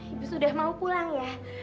ibu sudah mau pulang ya